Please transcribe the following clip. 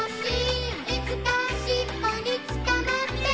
「いつかしっぽに捕まって」